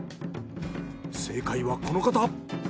正解はこの方。